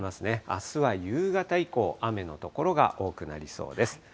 あすは夕方以降、雨の所が多くなりそうです。